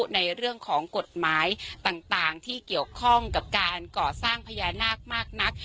ในเรื่องของกฎหมายต่างที่เกี่ยวข้องกับการก่อสร้างพญานาคมากนัก